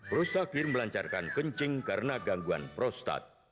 prostakir melancarkan kencing karena gangguan prostat